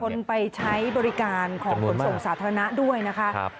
คนไปใช้บริการของขนส่งสาธารณะด้วยนะคะ